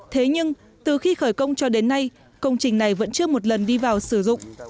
thế nhưng từ khi khởi công cho đến nay công trình này vẫn chưa một lần đi vào sử dụng